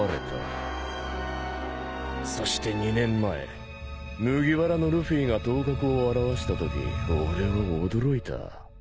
そして２年前麦わらのルフィが頭角を現したとき俺は驚いた。